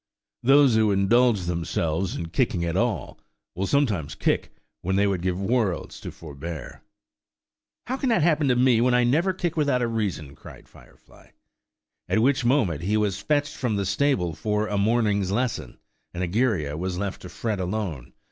Those who indulge themselves in kicking at all, will sometimes kick when they would give worlds to forbear." "How can that happen to me, when I never kick without a reason?" cried Firefly. At which moment he was fetched from the stable for a morning's lesson, and Egeria was left to fret alone.